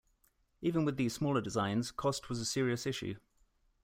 Even with these smaller designs cost was a serious issue.